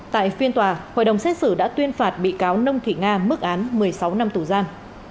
tại phiên tòa hội đồng xét xử đã tuyên phạt bị cáo nông thị nga mức án một mươi sáu năm tù giam